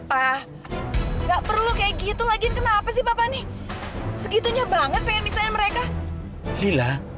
pak nggak perlu kayak gitu lagiin kenapa sih bapak nih segitunya banget pengen nisain mereka lila